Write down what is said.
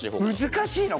難しいの？